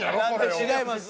違います。